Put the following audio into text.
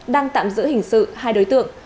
đang tạm giữ hình sự hai đối tượng